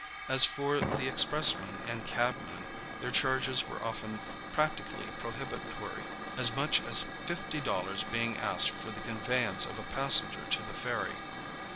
As for the expressmen and cabmen, their charges were often practically prohibitory, as much as fifty dollars being asked for the conveyance of a passenger to the ferry.